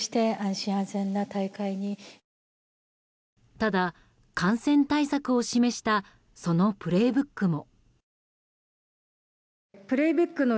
ただ、感染対策を示したその「プレイブック」も。